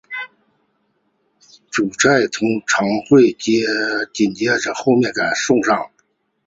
主菜通常会紧接着后面送上。